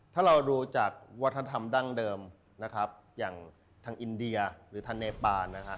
ถ้าเรารู้จากวัฒนธรรมดั้งเดิมอย่างทางอินเดียหรือทางเนปาน